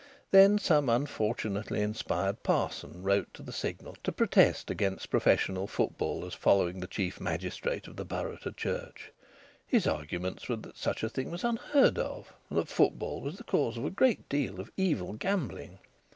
Then some unfortunately inspired parson wrote to the Signal to protest against professional footballers following the chief magistrate of the borough to church. His arguments were that such a thing was unheard of, and that football was the cause of a great deal of evil gambling.